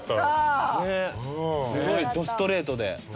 すごいどストレートで。